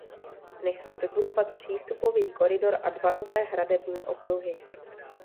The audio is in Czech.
Nechal vybudovat přístupový koridor a dva nové hradební okruhy.